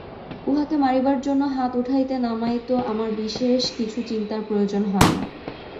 উহাকে মারিবার জন্য হাত উঠাইতে নামাইতে আমার বিশেষ কিছু চিন্তার প্রয়োজন হয় না।